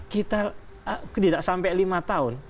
kita tidak sampai lima tahun